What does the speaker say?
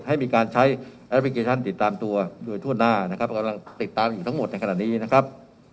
ให้มีการใช้แอปพลิเคชันติดตามตัวโดยทั่วหน้านะครับกำลังติดตามอยู่ทั้งหมดในขณะนี้นะครับ